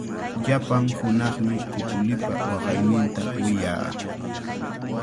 Llapan hunaqmi kukulipa waqayninta wiyaa.